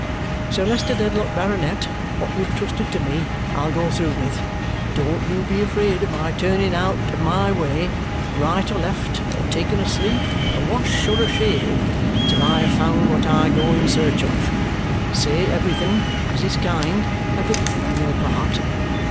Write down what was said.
Sir Leicester Dedlock, Baronet, what you've trusted to me I'll go through with. Don't you be afraid of my turning out of my way, right or left, or taking a sleep, or a wash, or a shave till I have found what I go in search of. Say everything as is kind and forgiving on your part?